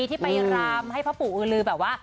ที่ไปรามให้พ่อปู่อือลือแบบว่า